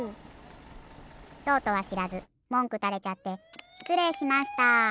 そうとはしらずもんくたれちゃってしつれいしました。